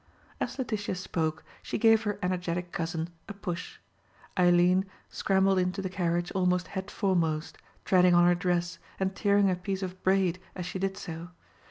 As Letitia spoke she gave her energetic cousin a push. Eileen scrambled into the carriage almost headforemost, treading on her dress, and tearing a piece of braid as she did so.